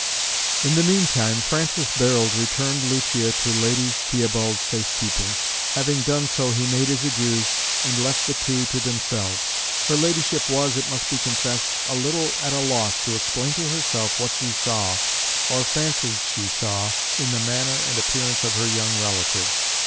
In the mean time Francis Barold returned Lucia to Lady Theobald's safe keeping. Having done so, he made his adieus, and left the two to themselves. Her ladyship was, it must be confessed, a little at a loss to explain to herself what she saw, or fancied she saw, in the manner and appearance of her young relative.